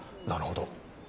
なるほど。